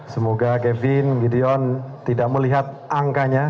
semoga kevin gideon tidak melihat angkanya